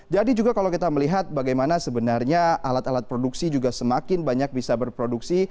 jadi juga kalau kita melihat bagaimana sebenarnya alat alat produksi juga semakin banyak bisa berproduksi